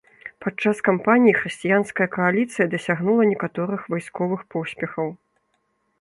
Падчас кампаніі хрысціянская кааліцыя дасягнула некаторых вайсковых поспехаў.